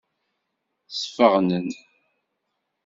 Sfeɣnen.